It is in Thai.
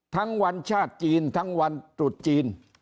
ทั้งวันชาติจีนทั้งวันจุดจีน